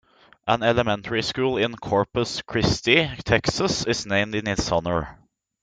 An elementary school in Corpus Christi, Texas is named in his honor.